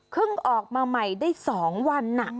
ครึ่งออกมาใหม่ได้สองวันน่ะ